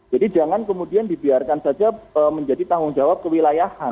jadi jangan kemudian dibiarkan saja menjadi tanggung jawab kewilayahan